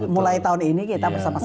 mulai tahun ini kita bersama sama